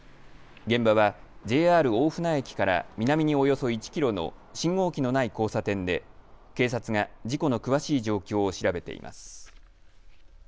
現場はＪＲ大船駅から南におよそ１キロの信号機のない交差点で警察が事故の詳しい状況を調べています。